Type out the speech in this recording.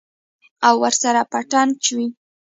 او ورسره پټن چوي.